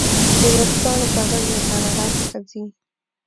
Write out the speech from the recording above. د ورځپاڼو کاغذ له کاناډا څخه ځي.